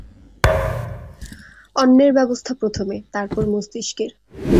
অন্নের ব্যবস্থা প্রথমে, তারপর মস্তিষ্কের।